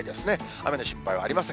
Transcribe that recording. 雨の心配はありません。